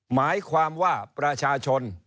หมายความว่าประชาชน